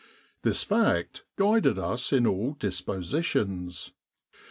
This fact guided us in all dispositions.